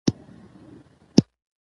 پور لږ واخلئ! چي آزاد او هوسا ژوند ولرئ.